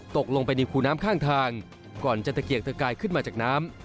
ตกลงไปในคูน้ำข้างทางก่อนจะตะเกียกตะกายขึ้นมาจากน้ำ